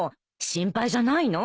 心配じゃないの？